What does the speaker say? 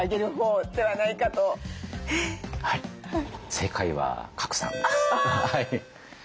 正解は賀来さんです。